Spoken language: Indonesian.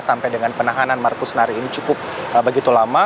sampai dengan penahanan markus nari ini cukup begitu lama